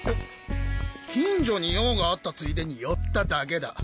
近所に用があったついでに寄っただけだ。